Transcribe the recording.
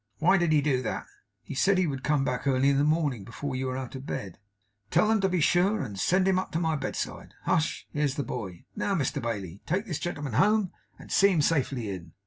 'Why did he do that?' 'He said he would come back early in the morning, before you were out of bed.' 'Tell them to be sure and send him up to my bedside. Hush! Here's the boy! Now Mr Bailey, take this gentleman home, and see him safely in.